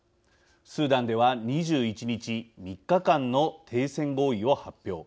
スーダンでは２１日３日間の停戦合意を発表。